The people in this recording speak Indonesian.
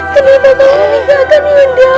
kenapa kau meninggalkan undiamu